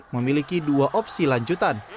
memiliki dua opsi lanjutan